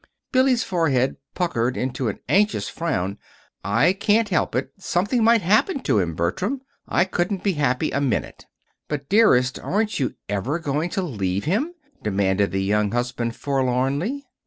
Billy's forehead puckered into an anxious frown. "I can't help it. Something might happen to him, Bertram. I couldn't be happy a minute." "But, dearest, aren't you ever going to leave him?" demanded the young husband, forlornly.